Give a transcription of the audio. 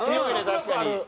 確かに。